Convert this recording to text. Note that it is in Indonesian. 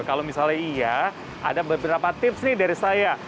kalau misalnya iya ada beberapa tips nih dari saya